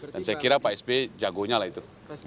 dan saya kira pak sby jagonya lah itu